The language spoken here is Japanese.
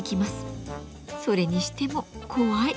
それにしても怖い！